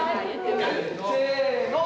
せの！